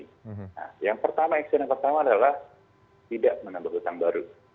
nah yang pertama action yang pertama adalah tidak menambah hutang baru